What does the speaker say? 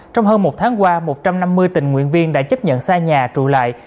trong hơn một tháng qua một trăm năm mươi tình nguyện viên đã chấp nhận xa nhà trụ lại